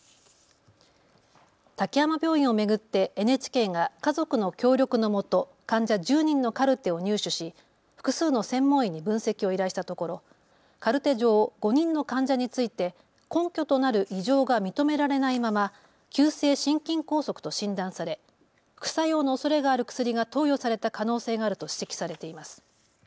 滝山病院を巡ってＮＨＫが家族の協力のもと患者１０人のカルテを入手し複数の専門医に分析を依頼したところ、カルテ上５人の患者について根拠となる異常が認められないまま急性心筋梗塞と診断され副作用のおそれがある薬が投与された可能性があると指摘されています。